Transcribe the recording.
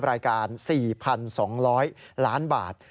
รายการ๔๒๐๐ล้านบาท